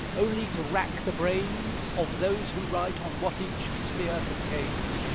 only to rack the brains Of those who write on what each sphere contains.